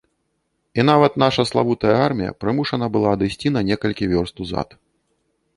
І нават наша славутая армія прымушана была адысці на некалькі вёрст узад.